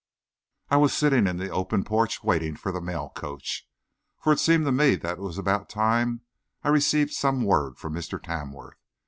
I was sitting in the open porch waiting for the mail coach, for it seemed to me that it was about time I received some word from Mr. Tamworth.